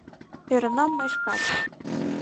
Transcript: Ӧрынам мый шкат.